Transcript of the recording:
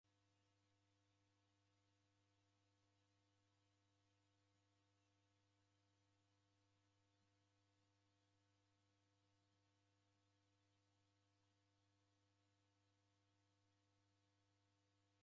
Kichuku chose chendaw'ada mwana w'ughangenyi.